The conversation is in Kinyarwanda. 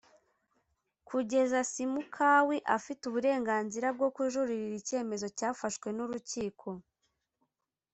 Kugeza Simukawi afite uburenganzira bwo kujuririra icyemezo cyafashwe n’ urukiko